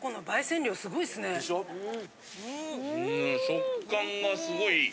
食感がすごい良い。